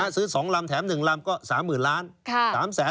ซื้อ๒ลำแถม๑ลำก็๓๐๐๐ล้าน